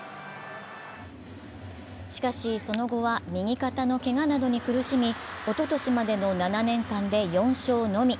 しかし、その後は右肩のけがなどに苦しみおととしまでの７年間で４勝のみ。